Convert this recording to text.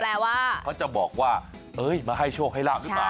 ว่าเขาจะบอกว่าเอ้ยมาให้โชคให้ลาบหรือเปล่า